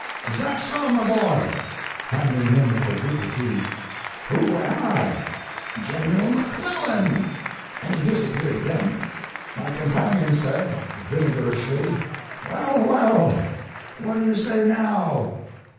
"Is that so, my boy?" (Handing him a quadruple fee.) "Who am I?" "Jenuel McClellan," and he disappeared again. My companion said, vinegarishly, "Well, well! what do you say now?"